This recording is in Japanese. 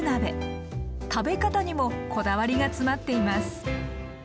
食べ方にもこだわりが詰まっています！